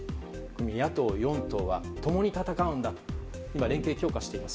野党４党は共に戦うんだと今、連携を強化しています。